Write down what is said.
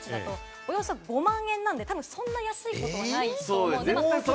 およそ５万円なんで、そんな安いことはないはず。